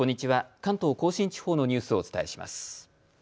関東甲信地方のニュースをお伝えします。